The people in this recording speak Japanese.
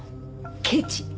ケチ！